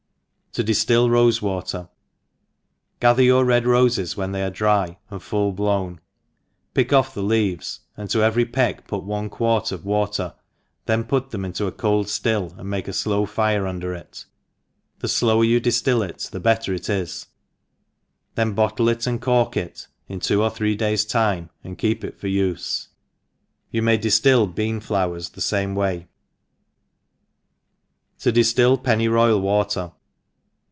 2$8 tHE EXPERIENCED 31? difiill Rosfi Water. GATHER your red rofes when they aft; dry and full blown, pick off the leaves^ and to every peck put one quart of water, then put them into a cold ftill, and make a How fire un der it, the flower you diftill it the better it h, then bottle it^ and cork it in two or three days time, and keep it for ufc.— ^. B. You may diftill bean^^ower the iame way. TCo difiill Pbnmy Royal Watek.